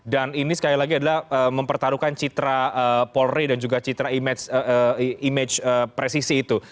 dan ini sekali lagi adalah mempertaruhkan citra polri dan juga citra image presisi itu